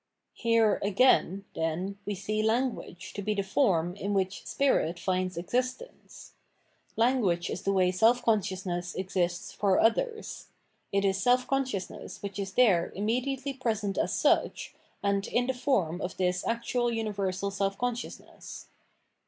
Here again,* then, we see Language to be the form in which spirit finds existence. Language is the way self consciousness exists for others ; it is self conscious ness which is there i mm ediately present as such, and in the form of this actual universal self consciousness.